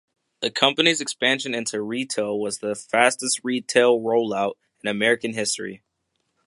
The company's expansion into retail was the fastest retail rollout in American history.